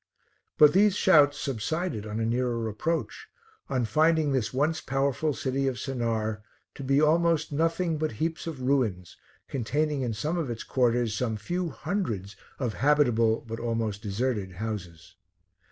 But these shouts subsided on a nearer approach, on finding this once powerful city of Sennaar to be almost nothing but heaps of ruins, containing in some of its quarters some few hundreds of habitable but almost deserted houses.